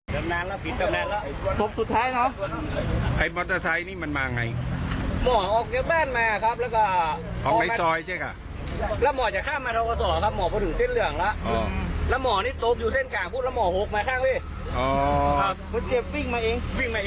รถยนต์เสียศูนย์ไหมทั้งนี้รถยนต์ก็เสียรักแม่ง